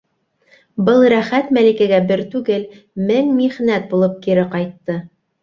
Был рәхәт Мәликәгә бер түгел, мең михнәт булып кире ҡайтты.